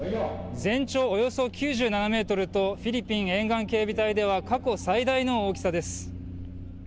全長およそ９７メートルとフィリピン沿岸警備隊では過去最大の大きさです。